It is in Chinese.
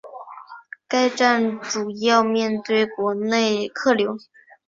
该站主要面向国内客流。